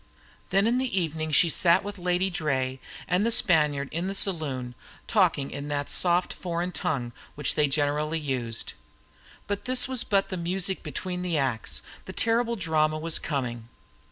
Then in the evening she sat with Lady Draye and the Spaniard in the saloon talking in that soft foreign tongue which they generally used. But this was but the music between the acts; the terrible drama was coming.